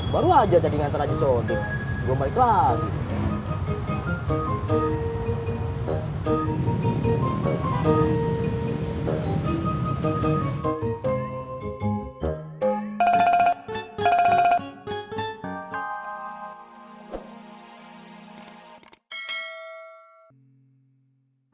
baru aja tadi ngantor aja sodi gue balik lagi